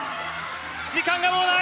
時間がもうない。